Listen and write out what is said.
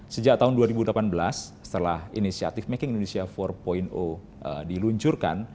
sejak tahun dua ribu delapan belas setelah inisiatif making indonesia empat diluncurkan